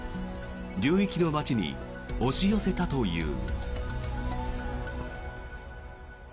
流域の街に押し寄せたという。